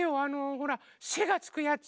ほら「せ」がつくやつ！